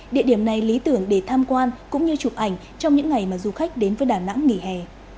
địa điểm này lý tưởng để tham quan cũng như chụp ảnh trong những ngày mà du khách đến với đà nẵng nghỉ hè